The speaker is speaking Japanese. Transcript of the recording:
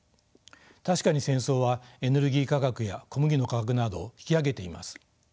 確かに戦争はエネルギー価格や小麦の価格などを引き上げています。